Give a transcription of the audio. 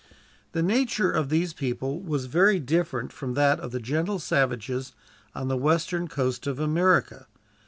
The nature of these people was very different from that of the gentle savages on the western coast of America.